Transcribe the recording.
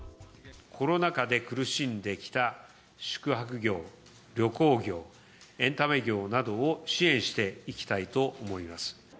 コロナ禍で苦しんできた宿泊業、旅行業、エンタメ業などを支援していきたいと思います。